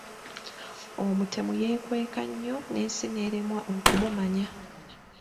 Omutemu yeekweka nnyo n'ensi n'eremwa okumumanya.